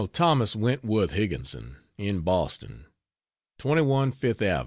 Thomas Wentworth Higginson, in Boston: 21 FIFTH AVE.